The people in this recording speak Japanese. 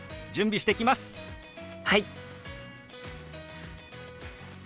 はい。